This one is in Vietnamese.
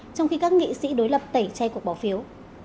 trong khi các nghị sĩ đối lập tẩy chay cuộc bỏ phiếu